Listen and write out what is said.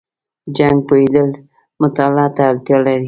چټک پوهېدل مطالعه ته اړتیا لري.